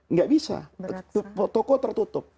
nggak bisa tokoh tertutup